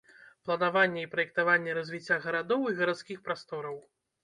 Планаванне і праектаванне развіцця гарадоў і гарадскіх прастораў.